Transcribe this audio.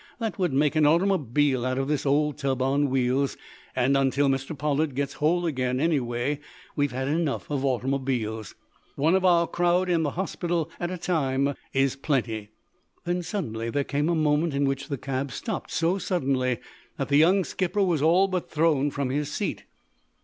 That would make an automobile out of this old tub on wheels, and, until Mr. Pollard gets whole again, anyway, we've had enough of automobiles. One of our crowd in hospital, at a time, is plenty!" Then there came a moment in which the cab stopped so suddenly that the young skipper was all but thrown from his seat.